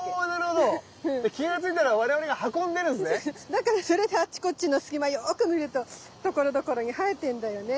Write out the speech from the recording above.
だからそれであっちこっちの隙間よく見るとところどころに生えてんだよね。